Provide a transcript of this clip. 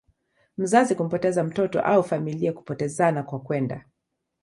mzazi kumpoteza mtoto au familia kupotezana kwa kwenda